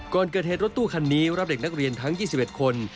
ก่อนเกิดเหตุรถตู้คันนี้รับเด็กนักเรียนทั้ง๒๑คน